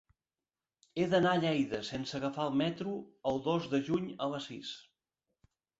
He d'anar a Lleida sense agafar el metro el dos de juny a les sis.